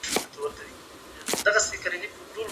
ذهني فشار د خبرو نشتوالي پایله وي.